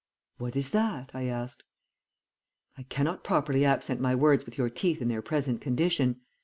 "'What is that?' I asked. "'I cannot properly accent my words with your teeth in their present condition.